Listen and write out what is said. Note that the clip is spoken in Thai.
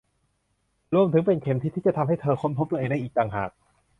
รวมถึงเป็นเข็มทิศที่จะทำให้เธอค้นพบตัวเองได้อีกต่างหาก